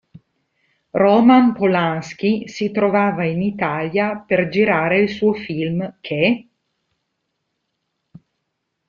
Roman Polański si trovava in Italia per girare il suo film "Che?